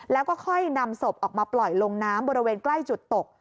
แล้วก็ค่อยนำศพออกมาปล่อยลงน้ำบริเวณใกล้จุดตก